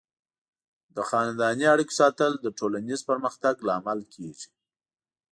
د خاندنۍ اړیکو ساتل د ټولنیز پرمختګ لامل کیږي.